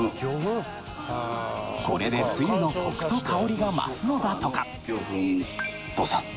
これでつゆのコクと香りが増すのだとかドサッ！